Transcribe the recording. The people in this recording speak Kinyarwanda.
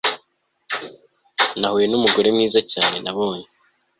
Nahuye numugore mwiza cyane nabonye